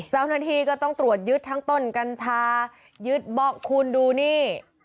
เจ้าหน้าที่ก็ต้องตรวจยึดทั้งต้นกัญชายึดเบาะคุณดูนี่